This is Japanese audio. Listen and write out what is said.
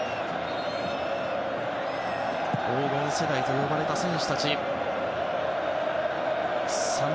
黄金世代と呼ばれた選手たち。